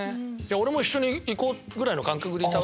俺も一緒に行こうぐらいの感覚でいた。